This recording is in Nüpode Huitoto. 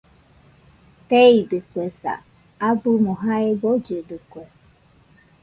Teeidɨkuesa, abɨmo jae bollidɨkue